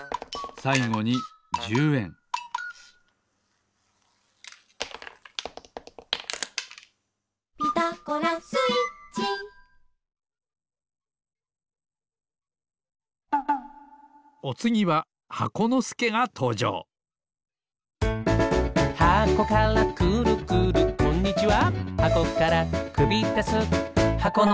さいごに１０えん「ピタゴラスイッチ」おつぎは箱のすけがとうじょうこんにちは。